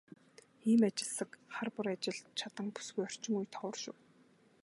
Ийм ажилсаг, хар бор ажилд чаданги бүсгүй орчин үед ховор шүү.